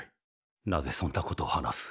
なぜそんなことを話す？